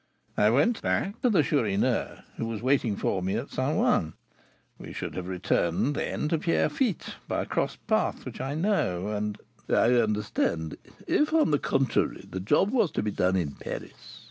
I went back to the Chourineur, who was waiting for me at St. Ouen. We should have returned then to Pierrefitte, by a cross path which I know, and " "I understand. If, on the contrary, the job was to be done in Paris?"